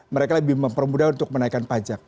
mereka lebih mempermudah untuk menaikkan pajak